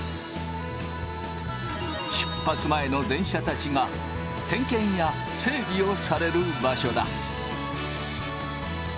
出発前の電車たちが点検や整備をされる場所だ。